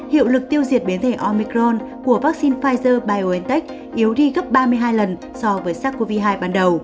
hiệu lực tiêu diệt biến thể omicron của vaccine pfizer biontech yếu đi gấp ba mươi hai lần so với sars cov hai ban đầu